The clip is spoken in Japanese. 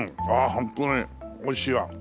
ホントに美味しいわ。